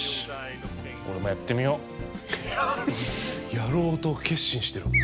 やろうと決心したよ。